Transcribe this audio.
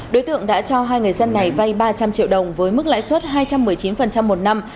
đối tượng đã cho hai người dân này vay ba trăm linh triệu đồng với mức lãi suất hai trăm một mươi chín một năm